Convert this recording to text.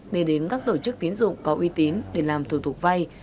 nên đến các tổ chức tín dụng có uy tín để làm thủ tục vai